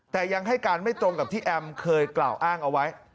แต่ยังให้การไม่ตรงกับที่แอมเคยกล่าวอ้างเอาไว้